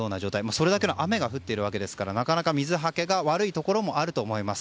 それだけの雨が降っているわけですからなかなか水はけの悪いところもあると思います。